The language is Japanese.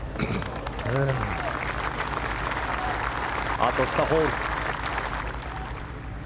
あと２ホール。